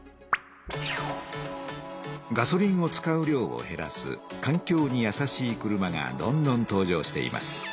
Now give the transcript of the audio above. ガソリンを使う量をへらす環境にやさしい車がどんどん登場しています。